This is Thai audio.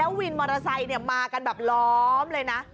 วินมอเตอร์ไซค์มากันแบบล้อมเลยนะ